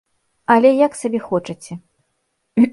Але, як сабе хочаце.